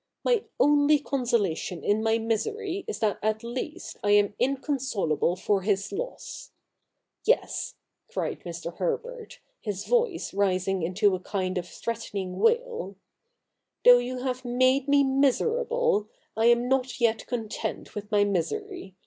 My only consolation in my misery is that at least I am inconsolable for His loss. Yes,' cried Mr. Herbert, his voice rising into a kind of threatening wail, ' though you have made me miserable, I am not yet content with my misery.